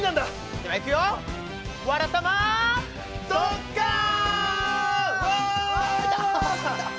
ではいくよ「わらたま」。「ドッカン」！